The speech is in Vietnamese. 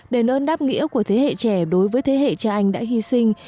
đền ơn đáp nghĩa của thế hệ trẻ đối với thế hệ cha anh đã hy sinh